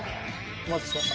お待たせしました。